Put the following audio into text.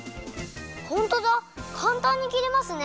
ホントだかんたんにきれますね！